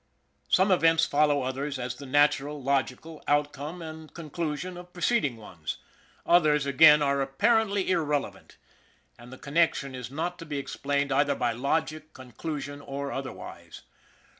Some events follow others as the natural, logical outcome and conclusion of preceding ones; others, SHANLEY'S LUCK in again, are apparently irrelevant, and the connection is not to be explained either by logic, conclusion, or otherwise.